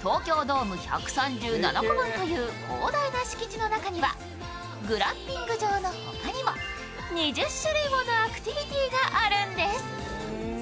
東京ドーム１３７個分という広大な敷地の中にはグランピング場の他にも２０種類ものアクティビティがあるんです。